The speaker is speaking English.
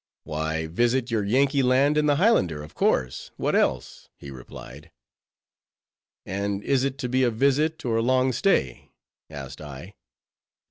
"Why, visit your Yankee land in the Highlander, of course—what else?" he replied. "And is it to be a visit, or a long stay?" asked I.